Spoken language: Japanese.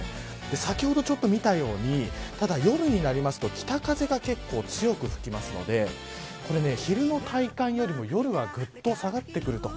先ほど見たようにただ、夜になると北風が結構強く吹くので昼の体感よりも夜はぐっと下がってくると。